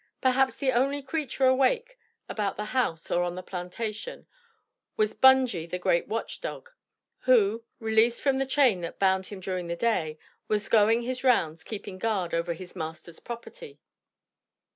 Perhaps the only creature awake about the house or on the plantation, was Bungy the great watch dog, who, released from the chain that bound him during the day, was going his rounds keeping guard over his master's property.